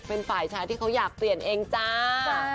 เป็นฝ่ายชายที่เขาอยากเปลี่ยนเองจ้า